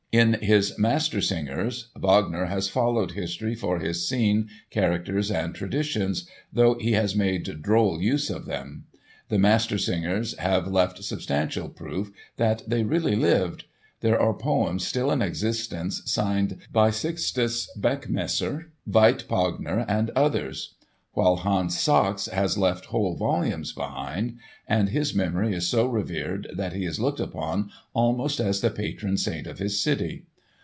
In his "Master Singers," Wagner has followed history for his scene, characters and traditions, though he has made droll use of them. The Master Singers have left substantial proof that they really lived. There are poems still in existence, signed by Sixtus Beckmesser, Veit Pogner and others; while Hans Sachs has left whole volumes behind, and his memory is so revered that he is looked upon almost as the patron saint of his city.